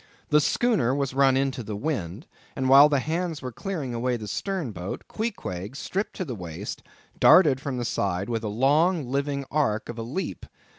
The schooner was run into the wind, and while the hands were clearing away the stern boat, Queequeg, stripped to the waist, darted from the side with a long living arc of a leap.